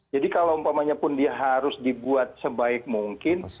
jadi kalau umpamanya pun dia harus dibuat sebaik mungkin